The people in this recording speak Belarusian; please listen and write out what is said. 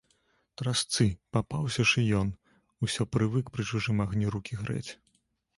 Трасцы, папаўся ж і ён, усё прывык пры чужым агні рукі грэць.